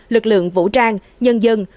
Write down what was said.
lực lượng vũ trang nhân dân